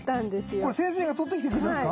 あらこれ先生が撮ってきてくれたんですか。